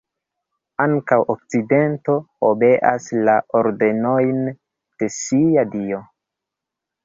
Ankaŭ okcidento obeas la ordonojn de sia dio.